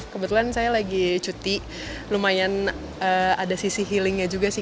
kebetulan saya lagi cuti lumayan ada sisi healingnya juga sih